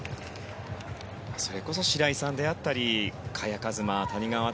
それこそ白井さんだったり萱和磨、谷川航